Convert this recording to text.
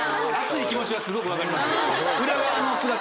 熱い気持ちはすごく分かります